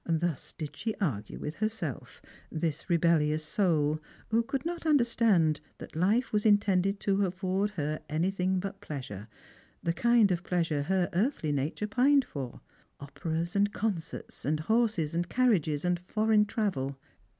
Thus did she argue with herself, this rebellious soul, who coidd not understand that life was intended to afford her any thing but pleasure, the kind of pleasure her earthly nature pined for — operas, and concerts, and horses and carriages, and foreign travel.